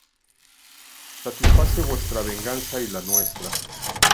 Satisface vuestra venganza y la nuestra!